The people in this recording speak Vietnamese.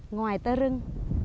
ngoài tơ rưng